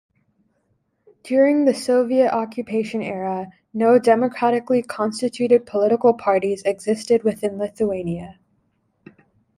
During the Soviet occupation era, no democratically constituted political parties existed within Lithuania.